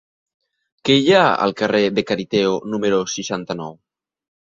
Què hi ha al carrer de Cariteo número seixanta-nou?